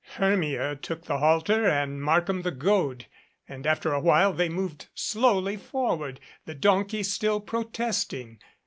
Hermia took the halter and Markham the goad, and after a while they moved slowly forward, the donkey still protesting.